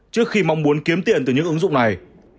trước khi mong muốn kiếm tiền từ những ứng dụng này